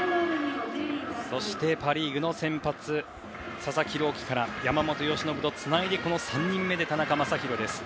そして、パ・リーグの先発佐々木朗希から山本由伸とつないで３人目で田中将大です。